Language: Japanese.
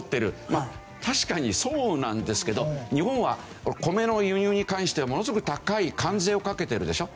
まあ確かにそうなんですけど日本は米の輸入に関してはものすごく高い関税をかけてるでしょ。